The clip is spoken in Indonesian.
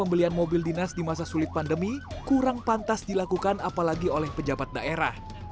pembelian mobil dinas di masa sulit pandemi kurang pantas dilakukan apalagi oleh pejabat daerah